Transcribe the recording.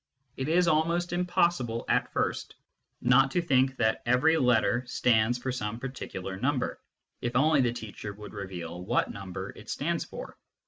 It is almost impossible, at first, not to think that every letter stands for some particular number, if only the teacher would reveal what number it stands for.